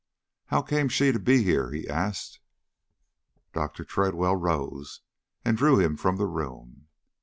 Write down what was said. "How came she to be here?" he asked. Dr. Tredwell rose and drew him from the room.